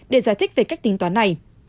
để giải thích về cách tính toán này